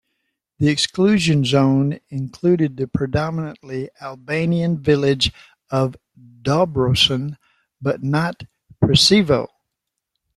The exclusion zone included the predominantly Albanian village of Dobrosin, but not Preševo.